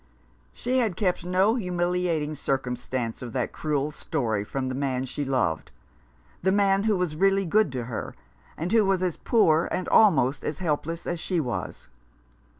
She had kept no humiliat ing circumstance of that cruel story from the man 22 A Fellow feeling. she loved — the man who was really good to her, but who was as poor and almost as helpless as she was.